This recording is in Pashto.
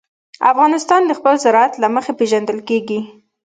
افغانستان د خپل زراعت له مخې پېژندل کېږي.